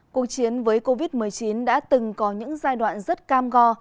cuộc chiến với covid một mươi chín đã từng có những giai đoạn rất cam go